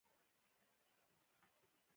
غوریان د غور سیمې ته منسوب یوه لویه وګړنۍ ډله ده